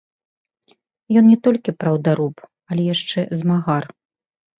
Ён не толькі праўдаруб, але яшчэ змагар.